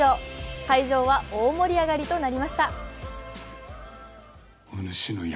会場は大盛り上がりとなりました。